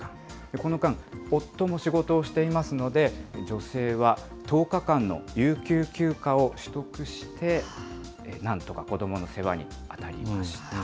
この間、夫も仕事をしていますので、女性は１０日間の有給休暇を取得して、なんとか子どもの世話に当たりました。